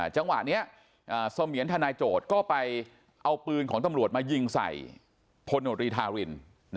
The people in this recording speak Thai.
จังหวะนี้เสมียนทนายโจทย์ก็ไปเอาปืนของตำรวจมายิงใส่พลโนตรีทาริน